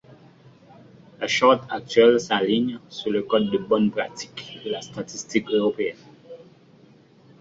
La Charte actuelle s’aligne sur le Code de bonnes pratiques de la statistique européenne.